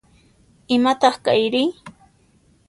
Imataq kayri?